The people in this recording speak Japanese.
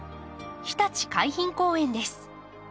ひたち海浜公園です。